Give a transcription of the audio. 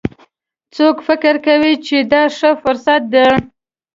څوک فکر کوي چې دا ښه فرصت ده